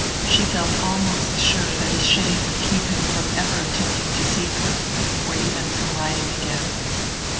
She felt almost sure that his shame would keep him from ever attempting to see her, or even from writing again.